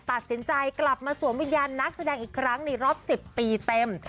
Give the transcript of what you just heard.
ตัดสินใจกลับมาสวมวิญญาณนักแสดงอีกครั้งในรอบ๑๐ปีเต็ม